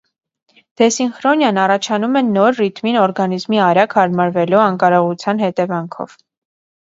Դեսինխրոնիան առաջանում է նոր ռիթմին օրգանիզմի արագ հարմարվելու անկարողության հետևանքով։